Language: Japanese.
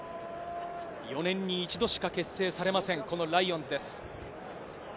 ４年に１度しか結成されません、このライオンズです。